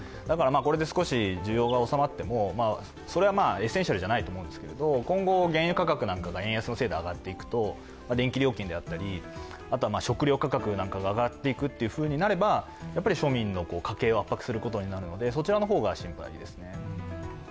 これで少し需要が収まってもそれはエッセンシャルじゃないと思うんですけれども、今後、原油価格なんかが円安のせいで上がっていくと電気料金や食料価格が上がっていけば庶民の家計を圧迫することになるのでそちらの方が心配ですね。